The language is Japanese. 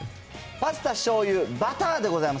パスタ、しょうゆ、バターでございます。